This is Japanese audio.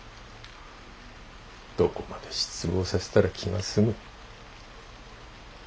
どこまで失望させたら気が済む？